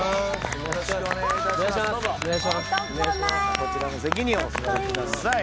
こちらの席にお座りください。